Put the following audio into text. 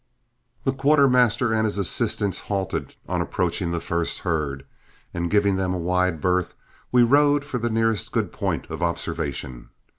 The quartermaster and his assistants halted on approaching the first herd, and giving them a wide berth, we rode for the nearest good point of observation.